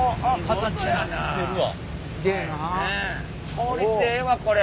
効率ええわこれ。